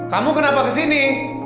kamu kenapa kesini